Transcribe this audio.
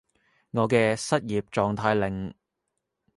我嘅失業狀態令